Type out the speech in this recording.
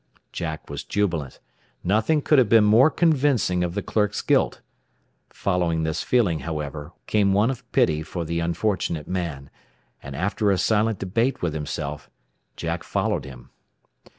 Jack was jubilant. Nothing could have been more convincing of the clerk's guilt. Following this feeling, however, came one of pity for the unfortunate man; and after a silent debate with himself, Jack followed him.